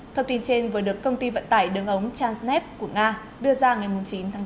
thông tin trên vừa được công ty vận tải đứng ống charnsneb của nga đưa ra ngày chín tháng tám